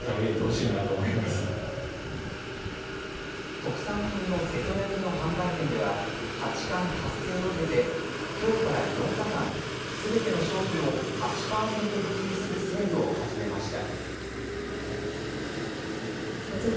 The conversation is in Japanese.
特産品の瀬戸焼の販売店では八冠達成を受けてきょうから８日間すべての商品を８パーセント引きにするセールを始めました。